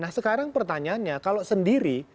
nah sekarang pertanyaannya kalau sendiri